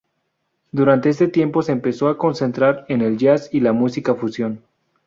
Durante este tiempo se empezó a concentrar en el jazz y la música fusión.